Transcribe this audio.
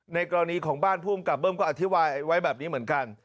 กรณีของบ้านภูมิกับเบิ้มก็อธิบายไว้แบบนี้เหมือนกัน